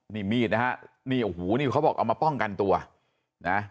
นี่มีดนะฮะนี่โอ้โหนี่เขาบอกเอามาป้องกันตัวนะ